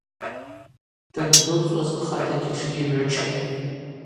Данджвылцӏуаз пхатагьи тшыгьйымгӏвычатӏ.